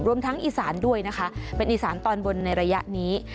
รวมทั้งอีสานด้วยนะคะเป็นอีสานตอนบนในระยะนี้